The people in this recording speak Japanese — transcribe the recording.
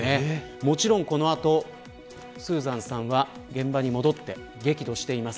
もちろん、この後スーザンさんは現場に戻って激怒しています。